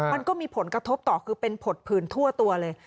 มันก็มีผลกระทบต่อคือเป็นผดผื่นทั่วตัวเลย